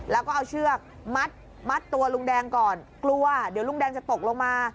แล้วก็เอาเชือกมัดตัวลุงแดงก่อนกลัวเดี๋ยวลุงแดงจะตกลงมา